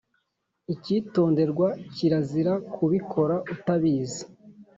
icyitonderwa kirazira kubikora utabizi